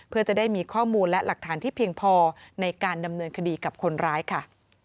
เพื่อจะได้มีข้อมูลและหลักฐานที่เพียงพอในการดำเนินคดีกับคนร้ายค่ะ